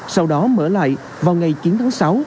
sau đó mở lại vào ngày chín tháng sáu